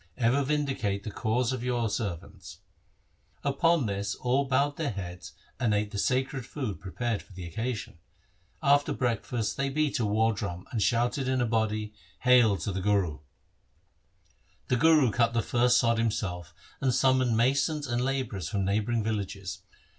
Ever vindicate the cause of your servants.' Upon this all bowed their heads and ate the sacred food prepared for the occasion. After breakfast they beat the war drum and shouted in a body, ' Hail to the Guru !'• The Guru cut the first sod himself and summoned masons and labourers from neighbouring villages.